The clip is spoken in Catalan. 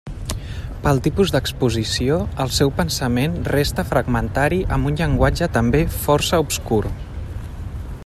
Pel tipus d'exposició, el seu pensament resta fragmentari amb un llenguatge també força obscur.